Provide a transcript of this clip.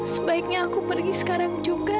sebaiknya aku pergi sekarang juga